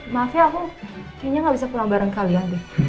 maaf ya aku kayaknya nggak bisa pulang bareng kalian deh